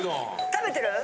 食べてる？